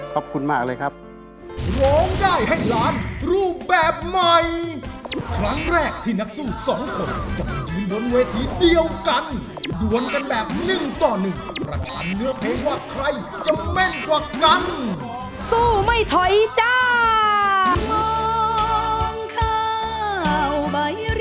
ขอบคุณมากเลยครับ